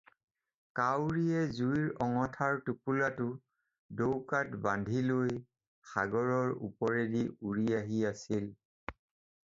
কাউৰীয়ে জুইৰ আঙঠাৰ টোপোলাটো ডৌকাত বান্ধি লৈ সাগৰৰ ওপৰেদি উৰি আহি আছিল।